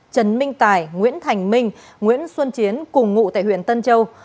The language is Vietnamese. trần minh tài nguyễn thành minh nguyễn xuân chiến cùng ngụ tại huyện tân châu